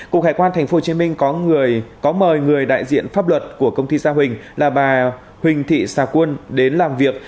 cục hải quan tp hcm có mời người đại diện pháp luật của công ty sao hình là bà huỳnh thị sao quân đến làm việc